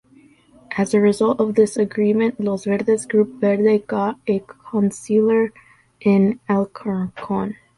As a result of this agreement, Los Verdes-Grupo Verde got a councillor in Alcorcón.